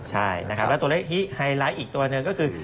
ใช่นะครับแล้วตัวเลขที่ไฮไลท์อีกตัวหนึ่งก็คือ